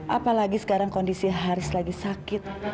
apalagi sekarang kondisi haris lagi sakit